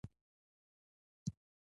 هغې د حساس خوب په اړه خوږه موسکا هم وکړه.